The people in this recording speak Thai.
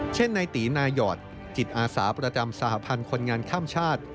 ในตีนายอดจิตอาสาประจำสหพันธ์คนงานข้ามชาติ